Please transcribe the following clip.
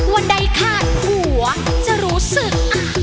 วันใดขาดหัวจะรู้สึก